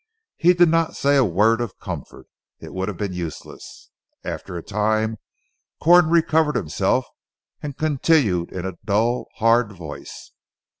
He did not say a word of comfort. It would have been useless. After a time Corn recovered himself and continued in a dull hard voice.